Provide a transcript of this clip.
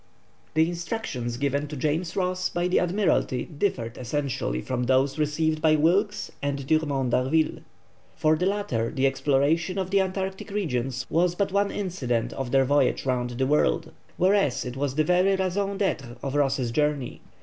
The instructions given to James Ross by the Admiralty differed essentially from those received by Wilkes and Dumont d'Urville. For the latter the exploration of the Antarctic regions was but one incident of their voyage round the world, whereas it was the very raison d'être of Ross's journey.